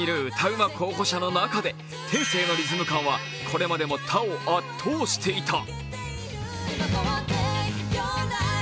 うま候補者の中で天性のリズム感は、これまでも他を圧倒していた。